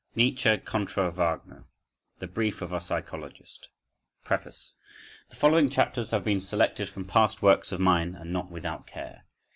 NIETZSCHE CONTRA WAGNER THE BRIEF OF A PSYCHOLOGIST Preface The following chapters have been selected from past works of mine, and not without care.